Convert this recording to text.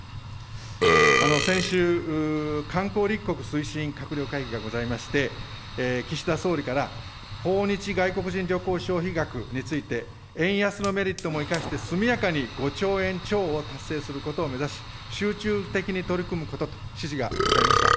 先週、観光立国推進閣僚会議がございまして、岸田総理から、訪日外国人旅行消費額について、円安のメリットも生かして速やかに５兆円超を達成することを目指し、集中的に取り組むことと指示がございました。